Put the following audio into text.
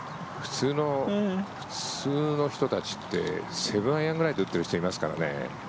普通の人たちって７アイアンくらいで打ってる人たちいますからね。